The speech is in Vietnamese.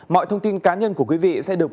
mọi thông tin cá nhân của quý vị sẽ được